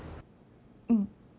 うん。